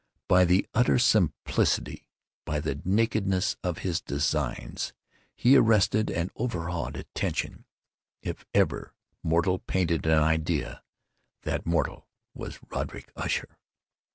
By the utter simplicity, by the nakedness of his designs, he arrested and overawed attention. If ever mortal painted an idea, that mortal was Roderick Usher.